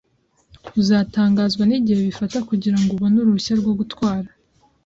Uzatangazwa nigihe bifata kugirango ubone uruhushya rwo gutwara.